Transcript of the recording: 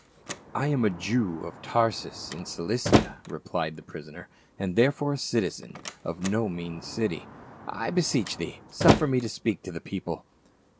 "* "I am a Jew of Tarsus, in Cilicia," replied the prisoner, " and therefore a citizen of no mean city. I beseech thee suffer me to speak to the people."